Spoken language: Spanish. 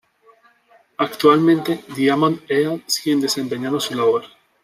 Actualmente, Diamond Head siguen desempeñando su labor.